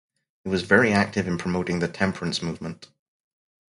He was very active in promoting the temperance movement.